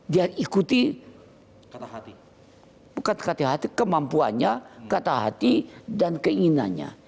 dia ikuti kata hati kemampuannya kata hati dan keinginannya